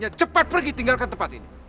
kita harus cepat pergi tinggalkan tempat ini